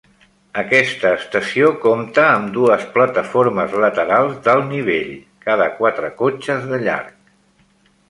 Aquesta estació compta amb dues plataformes laterals d'alt nivell, cada quatre cotxes de llarg.